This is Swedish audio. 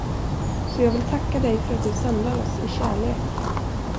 Så jag vill tacka dig, för att du samlar oss i kärlek.